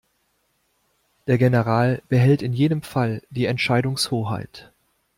Der General behält in jedem Fall die Entscheidungshoheit.